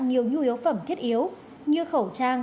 nhiều nhu yếu phẩm thiết yếu như khẩu trang